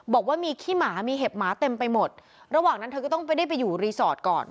บอกว่ามีขี้หมามีเห็บหมาเต็มไปหมดระหว่างนั้นเธอก็ต้องไปได้ไปอยู่รีสอร์ทก่อน